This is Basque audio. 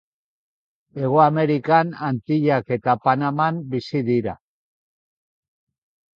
Hego Amerikan, Antillak eta Panaman bizi dira.